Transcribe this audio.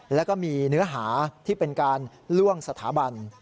แล้วก็มีเนื้อหาที่เป็นการล่วงสถาบัน